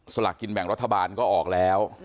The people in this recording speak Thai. หลักกินแบ่งรัฐบาลก็ออกแล้ว